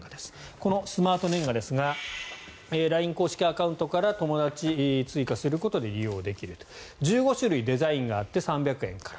このスマートねんがですがＬＩＮＥ公式アカウントから友だち追加することで利用できる１５種類、デザインがあって３００円から。